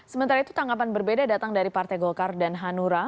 sementara itu tanggapan berbeda datang dari partai golkar dan hanura